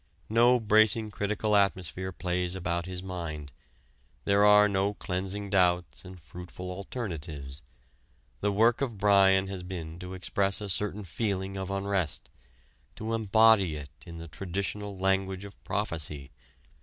No bracing critical atmosphere plays about his mind: there are no cleansing doubts and fruitful alternatives. The work of Bryan has been to express a certain feeling of unrest to embody it in the traditional language of prophecy.